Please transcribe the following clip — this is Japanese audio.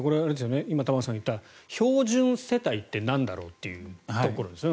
今、玉川さんが言った標準世帯ってなんだろうというところですよね。